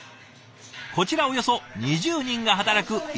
こちらおよそ２０人が働く医療施設。